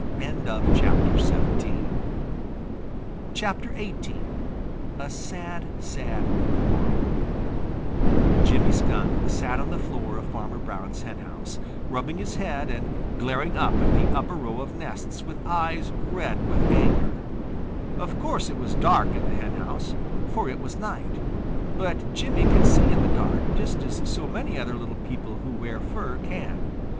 XVIII A SAD, SAD QUARREL Jimmy Skunk sat on the floor of Farmer Brown's henhouse, rubbing his head and glaring up at the upper row of nests with eyes red with anger. Of course it was dark in the henhouse, for it was night, but Jimmy can see in the dark, just as so many other little people who wear fur can.